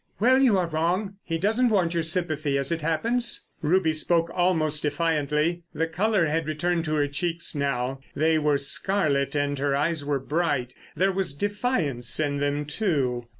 "Well, you are wrong! He doesn't want your sympathy, as it happens." Ruby spoke almost defiantly. The colour had returned to her cheeks now. They were scarlet and her eyes were bright. There was defiance in them, too.